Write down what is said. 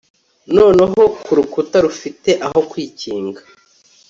Noneho kurukuta rufite aho kwikinga